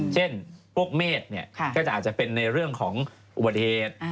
เช่นพวกเมฆก็จะอาจจะเป็นในเรื่องของอุบัติเหตุ